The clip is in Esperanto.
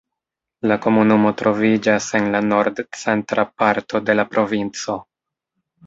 La komunumo troviĝas en la nord-centra parto de la provinco.